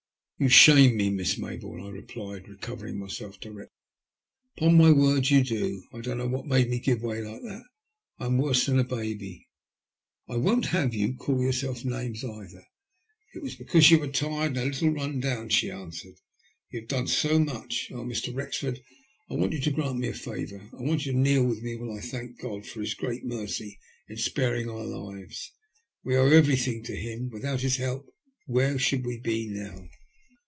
" You shame me, Miss Mayboume," I replied, re covering myself directly. " Upon my word, you do. I don't know what made me give way like that. I am worse than a baby." " I won't have you call yourself names either. It was because you are tired and a little run down," she answered. "You have done too much. Oh, Mr. Wrexford, I want you to grant me a favour. I want you to kneel with me while I thank God for His great mercy in sparing our lives. We owe everything to Him. Without His help where should we be now